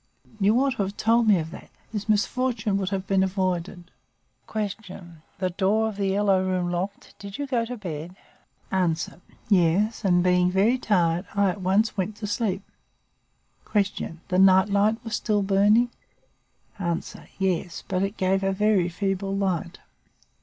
You ought to have told me of that! This misfortune would have been avoided. "Q. The door of "The Yellow Room" locked, did you go to bed? "A. Yes, and, being very tired, I at once went to sleep. "Q. The night light was still burning? "A. Yes, but it gave a very feeble light.